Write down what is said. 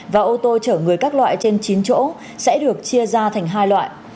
và ô tô chở người các loại trên chín chỗ sẽ được chia ra thành hai loại